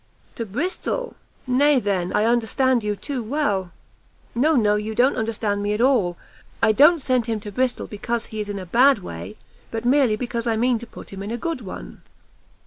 "To Bristol! nay then, I understand you too well!" "No, no, you don't understand me at all; I don't send him to Bristol because he is in a bad way, but merely because I mean to put him in a good one."